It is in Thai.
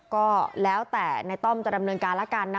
ก็แล้วแต่ในต้อมจะดำเนินการแล้วกันนะ